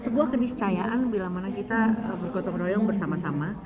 sebuah keniscayaan bila mana kita bergotong royong bersama sama